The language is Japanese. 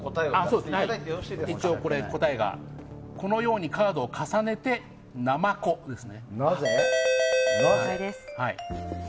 答えがこのようにカードを重ねて正解です。